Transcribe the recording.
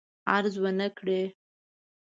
غرض ونه کړي.